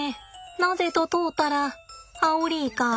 なぜと問うたらアオリイカ」。